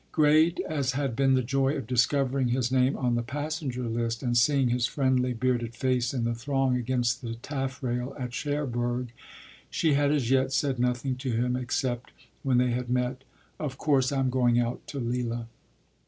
Great as had been the joy of discovering his name on the passenger list and seeing his friendly bearded face in the throng against the taffrail at Cherbourg, she had as yet said nothing to him except, when they had met: “Of course I’m going out to Leila.